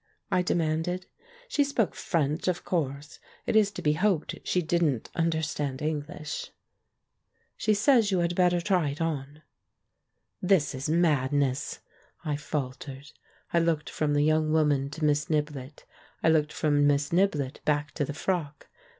I demanded. She spoke French, of course. It is to be hoped she didn't understand English. "She says you had better try it on." "This is madness," I faltered. I looked from the young woman to Miss Niblett ; I looked from Miss Niblett back to the frock.